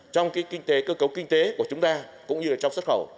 trong cơ cấu kinh tế của chúng ta cũng như trong xuất khẩu